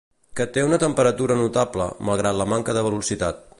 Que té una temperatura notable, malgrat la manca de velocitat.